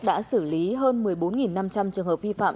đã xử lý hơn một mươi bốn năm trăm linh trường hợp vi phạm